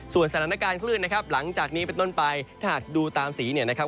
สถานการณ์คลื่นนะครับหลังจากนี้เป็นต้นไปถ้าหากดูตามสีเนี่ยนะครับ